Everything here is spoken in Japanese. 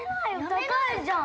高いじゃん。